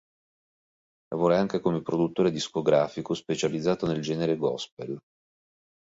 Lavora anche come produttore discografico, specializzato nel genere gospel.